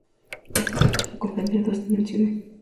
Ésta tutela comprende dos dimensiones.